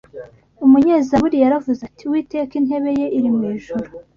Umunyezaburi yaravuze ati: Uwiteka, intebe ye iri mu ijuru